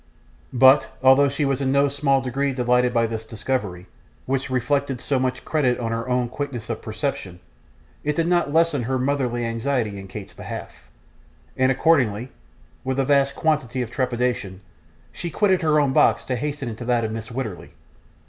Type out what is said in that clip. But, although she was in no small degree delighted by this discovery, which reflected so much credit on her own quickness of perception, it did not lessen her motherly anxiety in Kate's behalf; and accordingly, with a vast quantity of trepidation, she quitted her own box to hasten into that of Mrs. Wititterly.